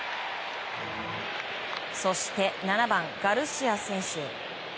そして７番ガルシア選手。